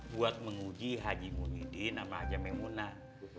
buat menguji haji muhyiddin sama haji memunah